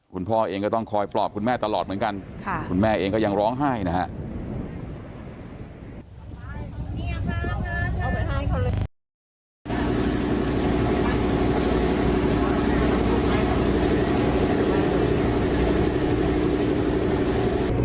คุณพ่อเองก็ต้องคอยปลอบคุณแม่ตลอดเหมือนกันคุณแม่เองก็ยังร้องไห้นะครับ